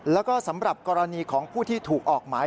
แล้วก็สำหรับกรณีของผู้ที่ถูกออกหมาย